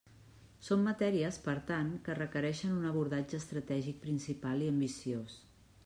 Són matèries, per tant, que requereixen un abordatge estratègic principal i ambiciós.